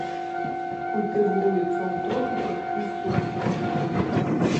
Культывуецца ў тропіках і субтропіках.